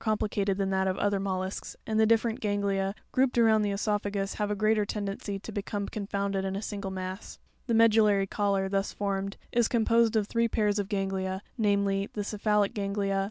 The nervous system of the cephalad: is more compli eated than that of the other mollusks, and the different ganglia, grouped around the cesophagus, have a greater tendency to be come confounded in a single mass. 'The medullary collar, thus formed, is composed of three pairs of ganglia, namely: the cephalic ganglia (fig.